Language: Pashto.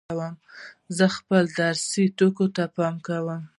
زه خپلو درسي توکو ته پام کوم.